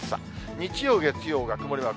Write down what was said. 日曜、月曜が曇りマーク。